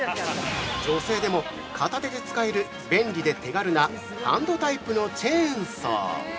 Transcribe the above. ◆女性でも片手で使える便利で手軽なハンドタイプのチェーンソー。